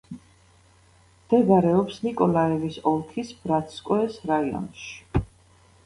მდებარეობს ნიკოლაევის ოლქის ბრატსკოეს რაიონში.